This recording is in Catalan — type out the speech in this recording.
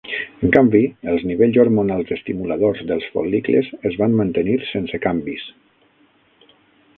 En canvi, els nivells hormonals estimuladors dels fol·licles es van mantenir sense canvis.